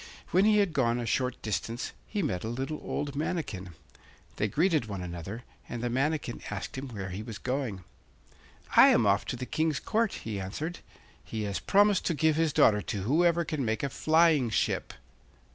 When he had gone a short distance he met a little old manikin. They greeted one another, and the manikin asked him where he was going. 'I am off to the King's Court,' he answered. 'He has promised to give his daughter to whoever can make a flying ship.